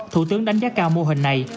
thủ tướng đánh giá cao mô hình này